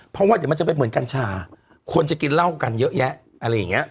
เพราะว่าเดี๋ยวมันจะเป็นเหมือนกัญชาคนจะกินเหล้ากันเยอะแยะอะไรอย่างเงี้ย